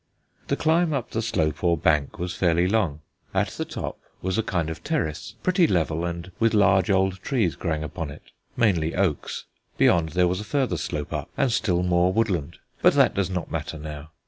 The climb up the slope or bank was fairly long. At the top was a kind of terrace, pretty level and with large old trees growing upon it, mainly oaks. Behind there was a further slope up and still more woodland: but that does not matter now.